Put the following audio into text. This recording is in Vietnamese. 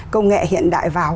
công nghệ hiện đại vào